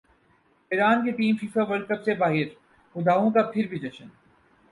ایران کی team FIFA World cup سے باہرمداحوں کا پھر بھی جشن